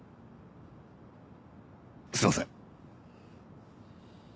すいません。